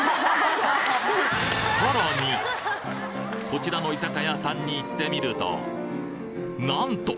こちらの居酒屋さんに行ってみるとなんと！